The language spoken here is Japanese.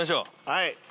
はい。